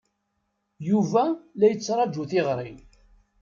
Yuba la yettṛaju tiɣri.